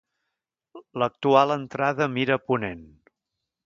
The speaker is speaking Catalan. L'actual entrada mira a ponent.